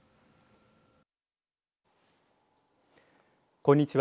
こんにちは。